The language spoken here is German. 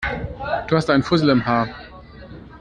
Du hast da einen Fussel im Haar.